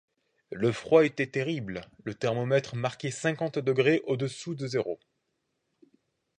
Le froid était terrible, le thermomètre marquait cinquante degrés au-dessous de zéro.